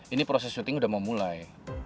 ini proses syuting udah mau mulai